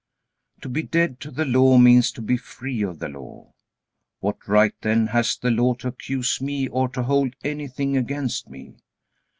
To be dead to the Law means to be free of the Law. What right, then, has the Law to accuse me, or to hold anything against me?